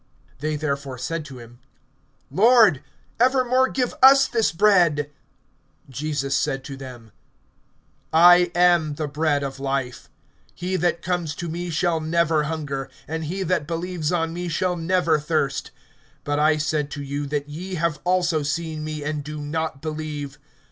(34)They therefore said to him: Lord, evermore give us this bread. (35)Jesus said to them: I am the bread of life. He that comes to me shall never hunger, and he that believes on me shall never thirst. (36)But I said to you, that ye have also seen me, and do not believe.